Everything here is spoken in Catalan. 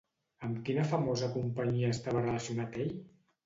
Amb quina famosa companyia estava relacionat ell?